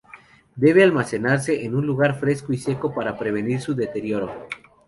Debe almacenarse en un lugar fresco y seco para prevenir su deterioro.